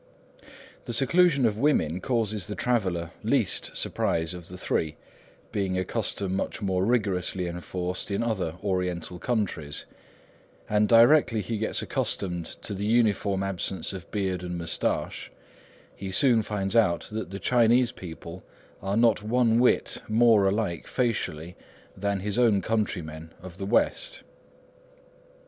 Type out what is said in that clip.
The seclusion of women causes the traveller least surprise of the three, being a custom much more rigorously enforced in other Oriental countries; and directly he gets accustomed to the uniform absence of beard and moustache, he soon finds out that the Chinese people are not one whit more alike facially than his own countrymen of the West.